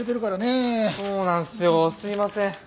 そうなんすよすいません。